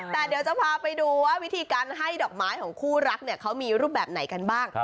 แต่เดี๋ยวจะพาไปดูว่าวิธีการให้ดอกไม้ของคู่รักเนี่ยเขามีรูปแบบไหนกันบ้าง